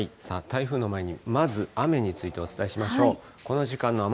台風の前に、まず雨についてお伝えしましょう。